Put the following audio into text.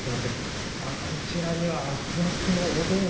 こちらにはアツアツのおでん。